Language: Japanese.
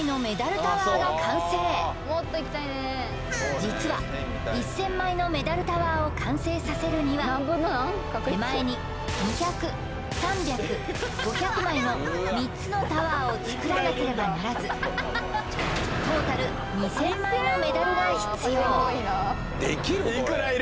実は１０００枚のメダルタワーを完成させるには手前に２００３００５００枚の３つのタワーを作らなければならずのメダルが必要できる？